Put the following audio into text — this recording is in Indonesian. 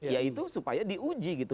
yaitu supaya diuji gitu